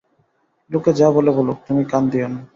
লোকে যা বলে বলুক, তুমি কান দিয়ো না।